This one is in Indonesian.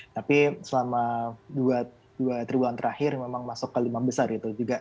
tapi selama dua tiga bulan terakhir memang masuk ke lima besar itu juga